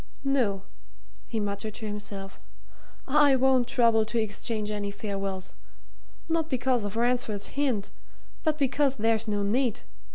"No," he muttered to himself. "I won't trouble to exchange any farewells not because of Ransford's hint, but because there's no need.